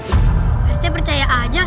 prt percaya aja